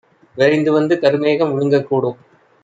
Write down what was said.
விரைந்துவந்து கருமேகம் விழுங்கக் கூடும்!